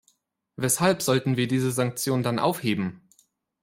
Weshalb sollten wir diese Sanktion dann aufheben?